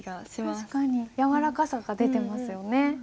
確かに柔らかさが出てますよね。